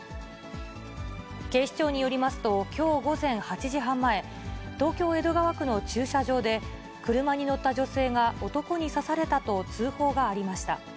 警視庁によりますと、きょう午前８時半前、東京・江戸川区の駐車場で、車に乗った女性が男に刺されたと通報がありました。